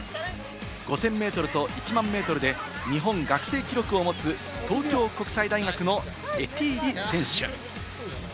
５０００メートルと１００００メートルで日本学生記録を持つ、東京国際大学のエティーリ選手。